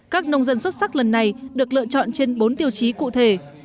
các nông dân xuất sắc lần này được lựa chọn trên bốn tiêu chí cụ thể